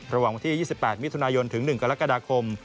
ระหว่างวันที่๒๘มิถุนายนถึง๑กรกฎาคม